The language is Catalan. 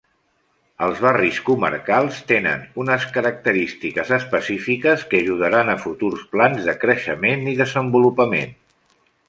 Els barris comarcals tenen unes característiques específiques que ajudaran a futurs plans de creixement i desenvolupament.